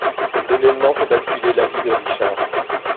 Cet évènement fait basculer la vie de Richard.